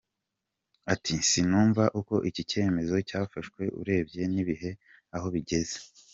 com ati : “Sinumva uko iki cyemezo cyafashwe urebye n’ibihe aho bigeze.